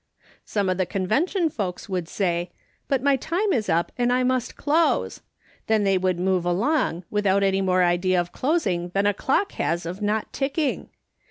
Some of the Convention folks would say, ' But my time is up and I must close,' then they would move along, without any more idea of closing than a clock has of not ticking.